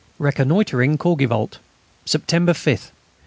RECONNOITRING COURGIVAULT _September 5th.